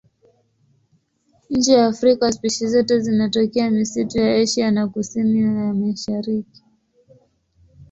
Nje ya Afrika spishi zote zinatokea misitu ya Asia ya Kusini na ya Mashariki.